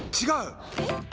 違う！